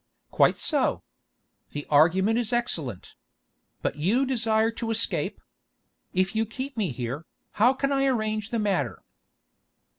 "Quite so. The argument is excellent. But you desire to escape. If you keep me here, how can I arrange the matter?"